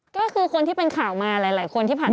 ก็คือคนที่เป็นข่าวมาหลายคนที่ผ่านมา